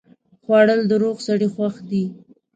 خوړل د روغ سړي خوښي ده